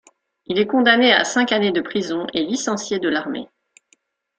Il est condamné à cinq années de prison et licencié de l'armée.